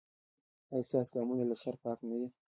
ایا ستاسو ګامونه له شر پاک نه دي؟